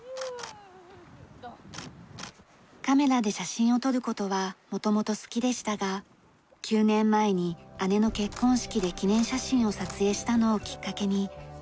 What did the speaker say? カメラで写真を撮る事は元々好きでしたが９年前に姉の結婚式で記念写真を撮影したのをきっかけに始めました。